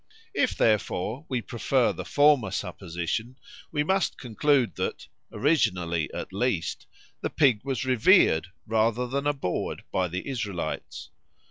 If, therefore, we prefer the former supposition, we must conclude that, originally at least, the pig was revered rather than abhorred by the Israelites.